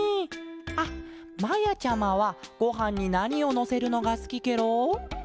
あっまやちゃまはごはんになにをのせるのがすきケロ？